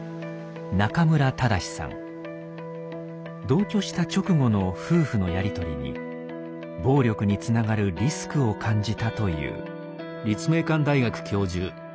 同居した直後の夫婦のやりとりに暴力につながるリスクを感じたという。